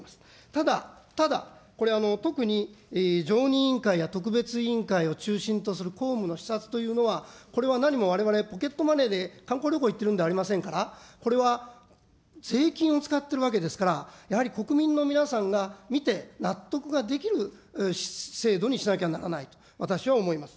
ただ、ただ、これ、特に常任委員会や特別委員会を中心とする公務の視察というのは、これは何もわれわれ、ポケットマネーで観光旅行に行ってるんではありませんから、これは税金を使ってるわけですから、やはり国民の皆さんが見て、納得ができる制度にしなきゃならないと、私は思います。